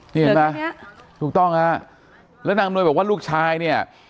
นี่เห็นไหมถูกต้องฮะแล้วนางอำนวยบอกว่าลูกชายเนี่ย